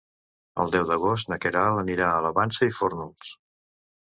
El deu d'agost na Queralt anirà a la Vansa i Fórnols.